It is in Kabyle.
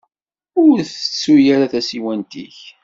Ur ttettu ara tasiwant-ik.